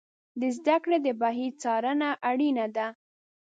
د زده کړې د بهیر څارنه اړینه ده.